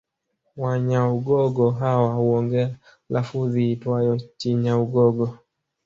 Wanyaugogo hawa huongea lafudhi iitwayo Chinyaugogo